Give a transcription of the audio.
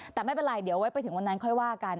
แต่ไม่เป็นไรเดี๋ยวไว้ไปถึงวันนั้นค่อยว่ากัน